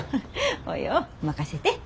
およ任せて。